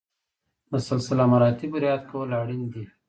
د سلسله مراتبو رعایت کول اړین دي.